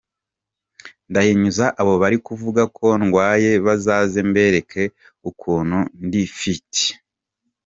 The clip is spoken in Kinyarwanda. Ndahinyuza abo bari kuvuga ko ndwaye bazaze mbereke ukuntu ndi fit.”